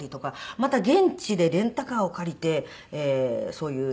また現地でレンタカーを借りてそういう費用もかかる。